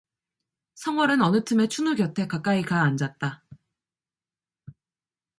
성월은 어느 틈에 춘우 곁에 가까이 가 앉았다.